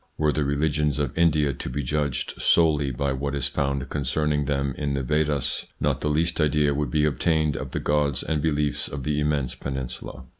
Were the religions of India to be judged solely by what is found concern ing them in the Vedas, not the least idea would be obtained of the gods and beliefs of the immense peninsula.